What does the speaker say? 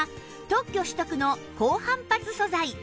特許取得の高反発素材